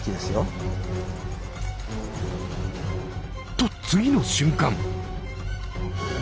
と次の瞬間！